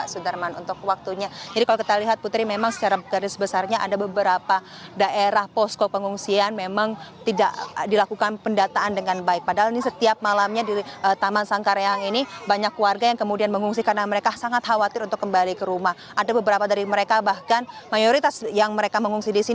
sedangkan memang secara garis besarnya bantuan ini memang belum diketahui